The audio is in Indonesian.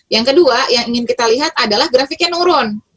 yang kedua yang ingin kita lihat adalah grafiknya nurun